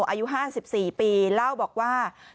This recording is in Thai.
อายุ๕๔ปีเล่าบอกว่า